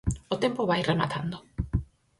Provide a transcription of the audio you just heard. O tempo vai rematando.